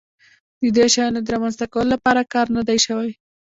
د دې شیانو د رامنځته کولو لپاره کار نه دی شوی.